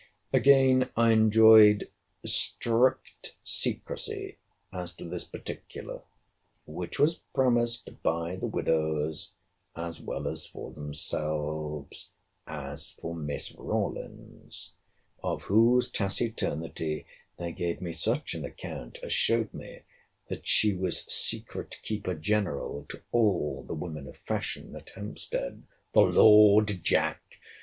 Again I enjoined strict secresy, as to this particular; which was promised by the widows, as well as for themselves, as for Miss Rawlins; of whose taciturnity they gave me such an account, as showed me, that she was secret keeper general to all the women of fashion at Hampstead. The Lord, Jack!